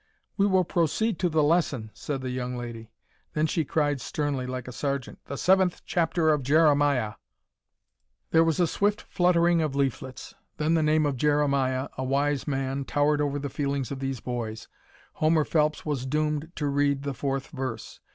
"We will proceed to the lesson," said the young lady. Then she cried sternly, like a sergeant, "The seventh chapter of Jeremiah!" There was a swift fluttering of leaflets. Then the name of Jeremiah, a wise man, towered over the feelings of these boys. Homer Phelps was doomed to read the fourth verse.